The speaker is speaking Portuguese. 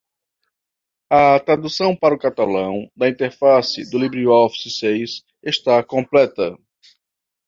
A tradução para o catalão da interface do LibreOffice seis está completa.